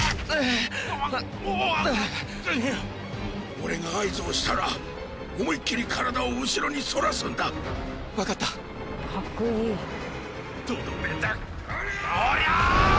俺が合図をしたら思いっきり体を後ろに反らすんだ分かったとどめだおりゃー！